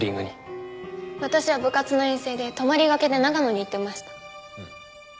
私は部活の遠征で泊まりがけで長野に行ってました。